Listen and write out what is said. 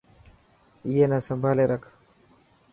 ائي نا سمڀالي رک.